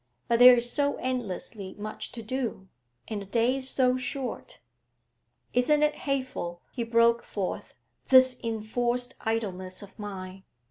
But there is so endlessly much to do, and a day is so short.' 'Isn't it hateful,' he broke forth, 'this enforced idleness of mine?